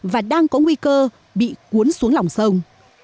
và đang có nguy cơ bị cuốn xuống lòng sông